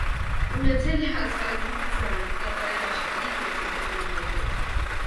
Ունեցել է հազվագյուտ ձայն, կատարել աշխարհիկ և հոգևոր երգեր։